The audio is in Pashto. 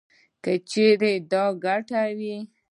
کـه چـېرتـه دا ګـټـه وې.